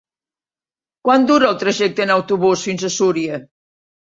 Quant dura el trajecte en autobús fins a Súria?